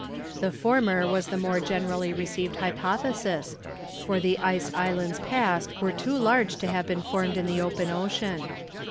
The former was the more generally received hypothesis, for the ice islands passed were too large to have been formed in the open ocean.